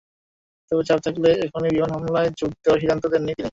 তবে চাপ থাকলেও এখনই বিমান হামলায় যোগ দেওয়ার সিদ্ধান্ত দেননি তিনি।